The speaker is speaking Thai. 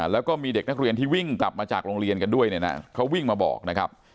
แล้วก็มีเด็กนักเรียนที่วิ่งกลับมาจากโรงเรียนกันด้วยเนี่ยนะเขาวิ่งมาบอกนะครับ